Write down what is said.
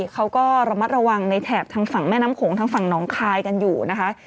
เขาก็ระมัดระวังในแถบทางฝั่งแม่น้ำโขงทางฝั่งน้องคายกันอยู่นะคะ